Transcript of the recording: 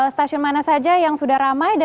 stasiun mana saja yang sudah ramai